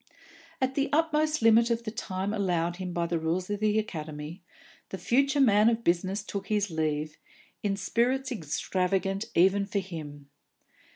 At the utmost limit of the time allowed him by the rules of The Academy, the future man of business took his leave, in spirits extravagant even for him.